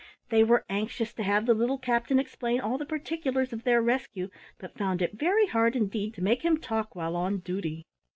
They were anxious to have the little captain explain all the particulars of their rescue, but found it very hard indeed to make him talk while on duty.